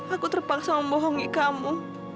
aku terpaksa membohongi kamu